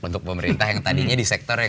untuk pemerintah yang tadinya di sektor yang